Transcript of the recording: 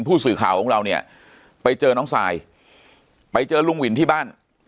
ผู้สื่อข่าวของเราเนี่ยไปเจอน้องซายไปเจอลุงวินที่บ้าน